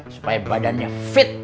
supaya badannya fit